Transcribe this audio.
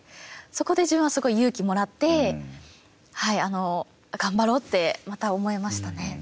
そこで自分はすごい勇気をもらって、頑張ろうってまた思えましたね。